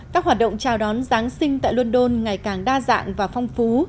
các hoạt động chào đón giáng sinh tại london ngày càng đa dạng và phong phú